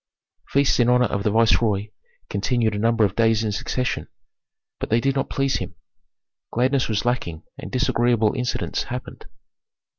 Feasts in honor of the viceroy continued a number of days in succession, but they did not please him. Gladness was lacking and disagreeable incidents happened.